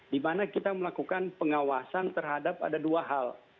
di mana kita melakukan pengawasan terhadap ada dua hal